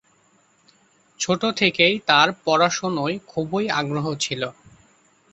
ছোট থেকেই তার পড়াশুনোয় খুবই আগ্রহ ছিল।